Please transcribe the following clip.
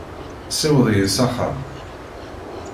Ssiweḍ-iyi s axxam.